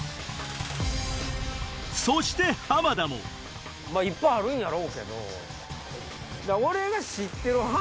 そしてまぁいっぱいあるんやろうけど。